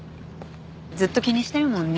ずっと気にしてるもんね。